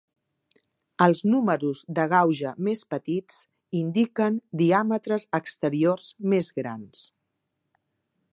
Els números de gauge més petits indiquen diàmetres exteriors més grans.